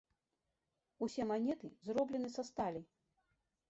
Усе манеты зроблены са сталі.